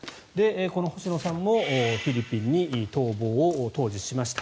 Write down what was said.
この星野さんもフィリピンに逃亡を当時、しました。